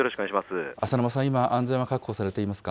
浅沼さん、今、安全は確保されていますか。